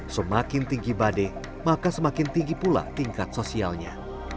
semakin tinggi bade maka semakin tinggi pula tingkat sosialnya